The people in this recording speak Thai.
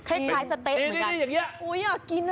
แค่ไขสเต๊กไหมกัน